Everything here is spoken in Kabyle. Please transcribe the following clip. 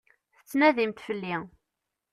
Tettnadimt fell-i.